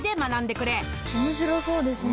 面白そうですね。